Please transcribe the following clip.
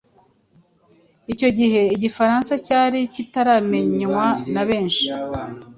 Icyo gihe Igifaransa cyari kitaramenywa na benshi,